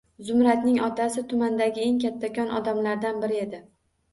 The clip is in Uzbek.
Zumradning otasi tumandagi eng kattakon odamlardan biri edi.